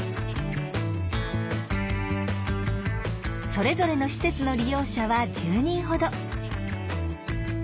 それぞれの施設の利用者は１０人ほど。